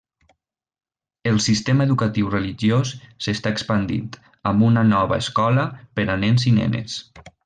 El sistema educatiu religiós s'està expandint, amb una nova escola per a nens i nenes.